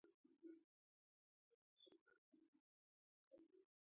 بیا نړۍ د سیالۍ پر ټغر د ټول جهان د ثبات ونډه ترې وغواړي.